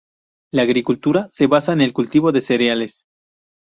La agricultura se basaba en el cultivo de cereales.